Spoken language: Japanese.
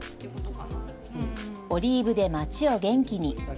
オリーブで町を元気に。